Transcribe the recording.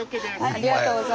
ありがとうございます。